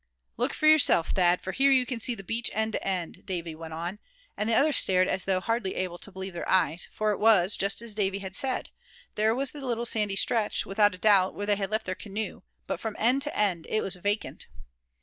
"Look for yourself, Thad; for here you can see the beach end to end," Davy went on; and the others stared as though hardly able to believe their eyes; for it was just as Davy said; there was the little sandy stretch, without a doubt, where they had left their canoe; but from end to end it was vacant!